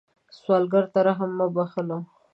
سوالګر ته رحم مه بخلوه